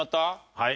はい。